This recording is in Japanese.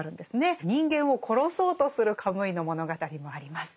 人間を殺そうとするカムイの物語もあります。